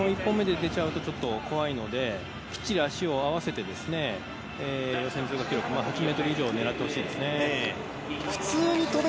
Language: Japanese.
それを１本目で出ちゃうとちょっと怖いので、きっちり足を合わせて、８ｍ以上をねらってほしいです。